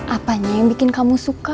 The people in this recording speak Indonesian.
apanya yang bikin kamu suka